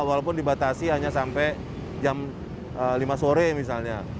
walaupun dibatasi hanya sampai jam lima sore misalnya